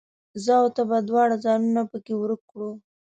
زه او ته به دواړه ځانونه پکښې ورک کړو